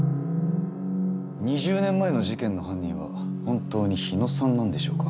２０年前の事件の犯人は本当に日野さんなんでしょうか。